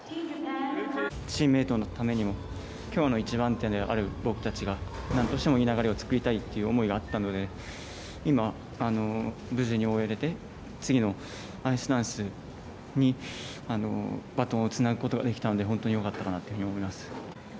チームメートのためにもきょうの一番手である僕たちが何としてでも、いい流れをつくりたいという思いがあったので今、無事に終えれて次のアイスダンスにバトンをつなぐことができたので本当によかったかなと思います。